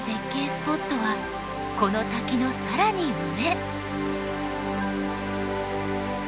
スポットはこの滝の更に上。